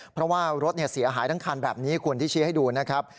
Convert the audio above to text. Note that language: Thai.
เพราะว่ารถเสียหายทั้งคันแบบนี้คุณที่ชี้ให้ดูนะครับ